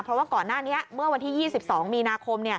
เพราะว่าก่อนหน้านี้เมื่อวันที่๒๒มีนาคม